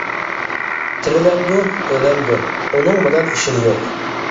تىرىلەمدۇ، ئۆلەمدۇ، ئۇنىڭ بىلەن ئىشىم يوق.